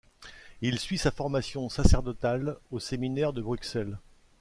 Il suit sa formation sacerdotale au séminaire de Bruxelles.